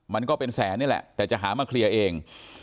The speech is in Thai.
มันก็เป็นแสนนี่แหละแต่จะหามาเคลียร์เอง